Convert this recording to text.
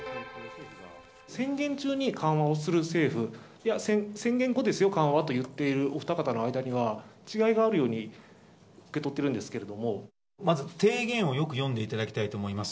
宣言中に緩和をする政府、宣言後ですよ、緩和と言っているお二方の間には違いがあるように受け取っているまず提言をよく読んでいただきたいと思います。